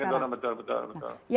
ya semakin turun betul betul